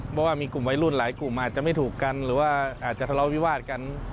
เพราะว่ามีกลุ่มวัยรุ่นหลายกลุ่มอาจจะไม่ถูกกันหรือว่าอาจจะทะเลาวิวาสกัน